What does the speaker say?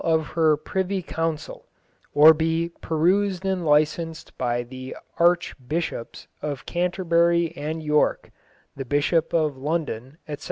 of her privy counsel, or be perused and licensed by the archbysshops of Cantorbury and Yorke, the bishop of London," etc.